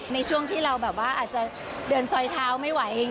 ในช่วงที่เราแบบว่าอาจจะเดินซอยเท้าไม่ไหว